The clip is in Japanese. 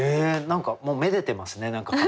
何かもうめでてますね雷をね。